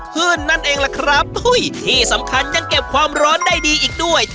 ขึ้นนั่นเองล่ะครับที่สำคัญยังเก็บความร้อนได้ดีอีกด้วย